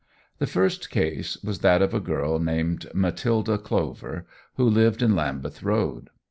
The first case was that of a girl named Matilda Clover, who lived in Lambeth Road.